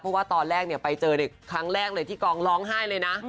เพราะว่าตอนแรกไปเจอในครั้งแรกเลยที่กองร้องไห้เลยนะ